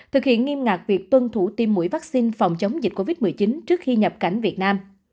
thực hiện nghiêm ngạc việc tuân thủ tiêm mũi vắc xin phòng chống dịch covid một mươi chín trước khi nhập cảnh việt nam